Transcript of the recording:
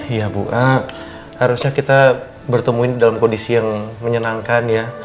iya bu harusnya kita bertemu ini dalam kondisi yang menyenangkan ya